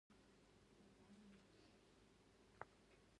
زبېښونکي بنسټونه د واکمنانو پر واک ډېر لږ محدودیتونه ږدي.